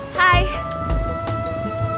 aku kasih tau juga